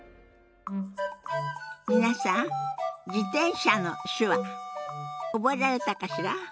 皆さん「自転車」の手話覚えられたかしら？